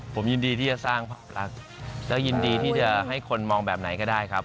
ผมยินดีที่จะสร้างภาพลักษณ์และยินดีที่จะให้คนมองแบบไหนก็ได้ครับ